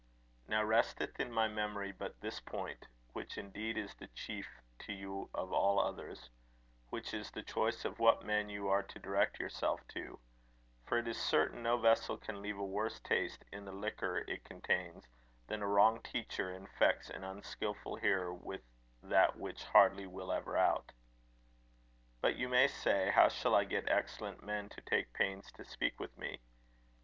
Now resteth in my memory but this point, which indeed is the chief to you of all others; which is the choice of what men you are to direct yourself to; for it is certain no vessel can leave a worse taste in the liquor it contains, than a wrong teacher infects an unskilful hearer with that which hardly will ever out... But you may say, "How shall I get excellent men to take pains to speak with me?"